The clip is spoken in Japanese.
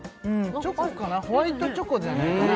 チョコかなホワイトチョコじゃないかな